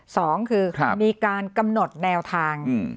สองคือครับมีการกำหนดแนวทางอืม